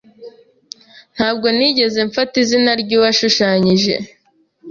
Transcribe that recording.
Ntabwo nigeze mfata izina ryuwashushanyije.